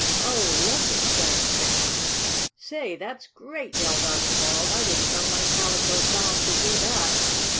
"Oh, look!" exclaimed Sam. "Say, that's great!" yelled Archibald. "I didn't know my Calico Clown could do that!"